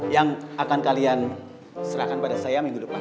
yang akan kalian serahkan pada saya minggu depan